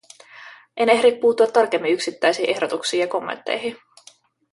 En ehdi puuttua tarkemmin yksittäisiin ehdotuksiin ja kommentteihin.